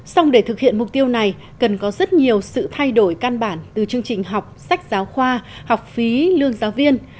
xong để thực hiện mục tiêu này cần có rất nhiều sự thay đổi căn bản từ chương trình học sách giáo khoa học phí lương giáo viên